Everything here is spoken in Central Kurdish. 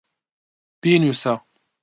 بینووسە.